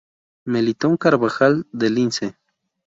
Melitón Carbajal de Lince.